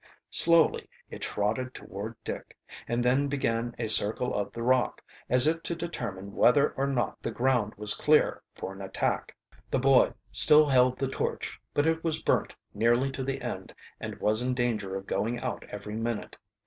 Slowly it trotted toward Dick, and then began a circle of the rock, as if to determine whether or not the ground was clear for an attack. The boy still held the torch, but it was burnt nearly to the end and was in danger of going out every minute.